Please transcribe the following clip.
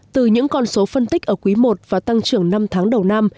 từ những con số phân tích ở quý i và tăng trưởng năm tháng đầu năm